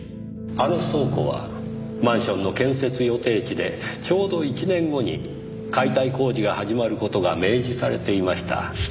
あの倉庫はマンションの建設予定地でちょうど１年後に解体工事が始まる事が明示されていました。